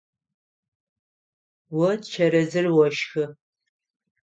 О чэрэзыр ошхы.